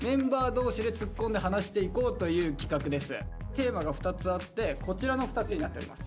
テーマが２つあってこちらの２つになっております。